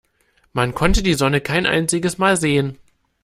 Man konnte die Sonne kein einziges Mal sehen.